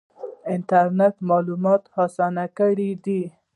انټرنیټ معلومات اسانه کړي دي